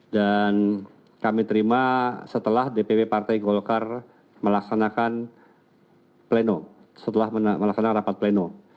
dan kami terima setelah dpp partai golkar melaksanakan pleno setelah melaksanakan rapat pleno